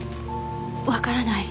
わからない。